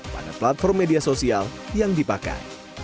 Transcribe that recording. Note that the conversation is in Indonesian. pada platform media sosial yang dipakai